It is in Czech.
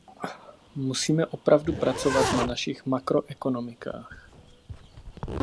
Musíme opravdu pracovat na našich makroekonomikách.